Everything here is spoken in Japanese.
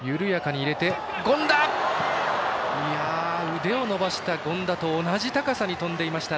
腕を伸ばした権田と同じ高さに飛んでいました